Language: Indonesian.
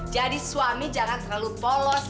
jadi suami jangan terlalu polos